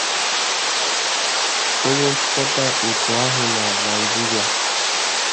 Onye nchịkọta otu ahụ na Naijiria